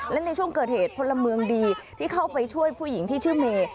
และในช่วงเกิดเหตุพลเมืองดีที่เข้าไปช่วยผู้หญิงที่ชื่อเมย์